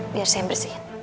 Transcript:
biar saya bersihin